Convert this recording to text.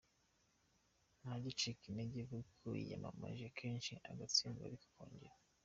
Ntajya acika intege, kuko yiyamamaje kenshi agatsindwa ariko akongera.